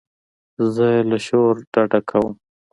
زه له شور ډډه کوم.